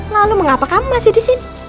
lalu mengapa kamu masih di sini